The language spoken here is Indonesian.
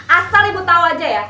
asal ibu tahu aja ya